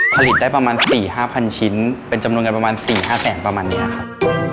ผลิตได้ประมาณ๔๕๐๐ชิ้นเป็นจำนวนเงินประมาณ๔๕แสนประมาณนี้ครับ